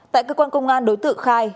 tại cơ quan công an đối tượng khai